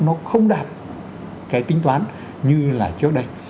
nó không đạt cái tính toán như là trước đây